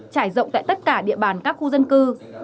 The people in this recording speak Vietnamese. trải rộng tại tất cả địa bàn các khu dân cư